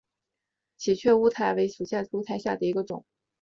喜鹊苣苔为苦苣苔科喜鹊苣苔属下的一个种。